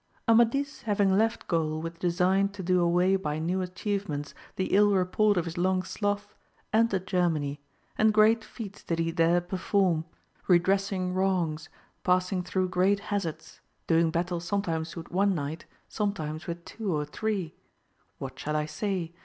Amadis having left Gaul with design to do away by new atchievements the ill report of his long sloth, entered Germany, and great feats did he there per form, redressing wrongs, passing through great hazards doing battle sometimes with one knight, sometimes with two or three — what shall I say?